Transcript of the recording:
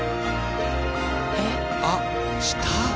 あっ下？